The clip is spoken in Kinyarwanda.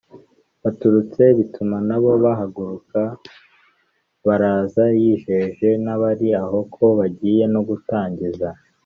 baturutse; bituma nabo bahaguruka baraza. yijeje n’abari aho ko bagiye no gutangiza